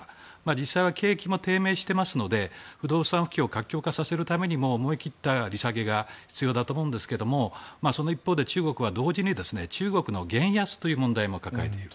実際は景気も低迷していますので不動産不況を活況化させるためにも思い切った利下げが必要だと思いますがその一方で中国は同時に中国の元安という問題も抱えている。